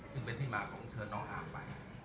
ซึ่งเป็นที่มาของเชิญน้องอาร์มไป